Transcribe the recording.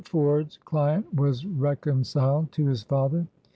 Ford's client was reconciled to his father.